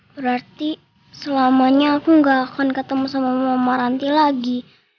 berarti selamanya aku gak akan ketemu sama mama ranti lagi